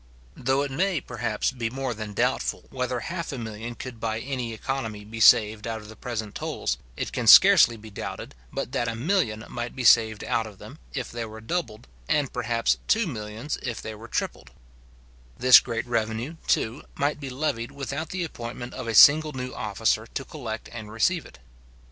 Though it may, perhaps, be more than doubtful whether half a million could by any economy be saved out of the present tolls, it can scarcely be doubted, but that a million might be saved out of them, if they were doubled; and perhaps two millions, if they were tripled {I have now good reason to believe that all these conjectural sums are by much too large.}. This great revenue, too, might be levied without the appointment of a single new officer to collect and receive it.